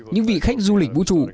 những vị khách du lịch vũ trụ